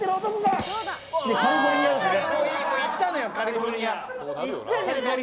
行ったのよ、カリフォルニア。